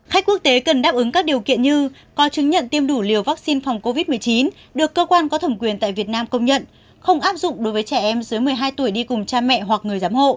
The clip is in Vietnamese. khách quốc tế cần đáp ứng các điều kiện như có chứng nhận tiêm đủ liều vaccine phòng covid một mươi chín được cơ quan có thẩm quyền tại việt nam công nhận không áp dụng đối với trẻ em dưới một mươi hai tuổi đi cùng cha mẹ hoặc người giám hộ